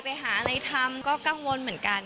ไปหาอะไรทำก็กังวลเหมือนกัน